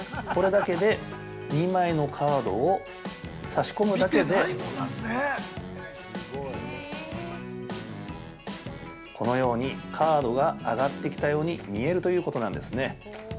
これだけで、２枚のカードを挿し込むだけでカードが上がってきたように見えるということなんですね。